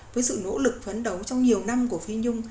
với sự nỗ lực phấn đấu trong nhiều năm của phi nhung